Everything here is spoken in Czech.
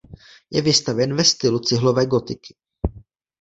Je vystavěn ve stylu cihlové gotiky.